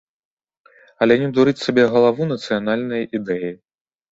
Але не дурыць сабе галаву нацыянальнай ідэяй.